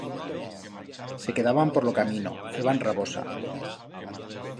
Se quedaban por lo camino, feban rabosa.